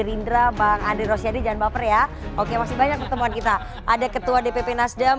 gerindra bang andri rosyadi jangan baper ya oke masih banyak pertemuan kita ada ketua dpp nasdem